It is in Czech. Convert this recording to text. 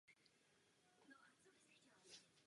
Užití sacharózy má u nás tradici více než dvě stolení.